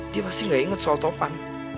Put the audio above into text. dia pasti gak inget soal topan